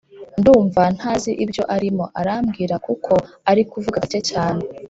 Ndumva ntazi ibyo arimo arambwira kuko arikuvuga gake cyane